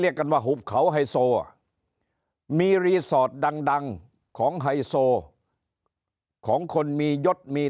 เรียกกันว่าหุบเขาไฮโซมีดังของไฮโซของคนมียดมี